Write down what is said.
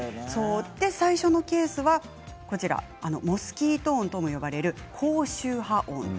最初のケースはモスキート音とも呼ばれる高周波音。